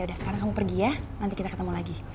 udah sekarang kamu pergi ya nanti kita ketemu lagi